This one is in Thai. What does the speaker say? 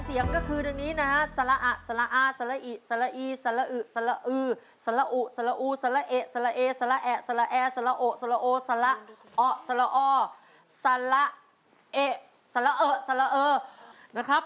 ๓๒เสียงก็คือในนี้นะครับ